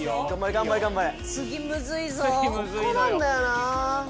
頑張れ頑張れ。